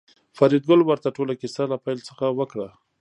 فریدګل ورته ټوله کیسه له پیل څخه وکړه